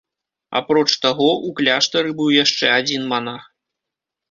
Апроч таго, у кляштары быў яшчэ адзін манах.